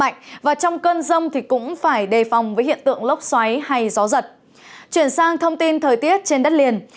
chuyển sang thông tin thời tiết trên đất liền